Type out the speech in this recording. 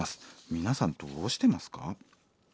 皆さんどうしてますか？